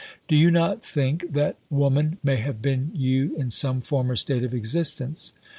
Do you not think that woman may have been you in some former state of existence?"